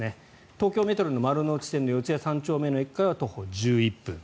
東京メトロの丸ノ内線の四谷三丁目駅から徒歩１１分。